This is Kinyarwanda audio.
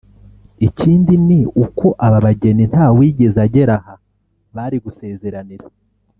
Ikindi ni uko aba bageni nta wigeze agera aha bari gusezeranira